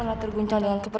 sabar dong sedikit kamu